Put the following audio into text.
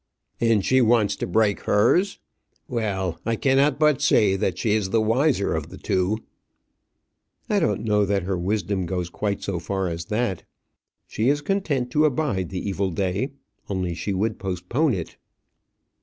"And she wants to break hers. Well, I cannot but say that she is the wiser of the two." "I don't know that her wisdom goes quite so far as that. She is content to abide the evil day; only she would postpone it."